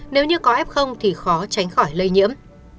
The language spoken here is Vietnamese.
nếu như có f thì khó tránh khỏi lây nhiễm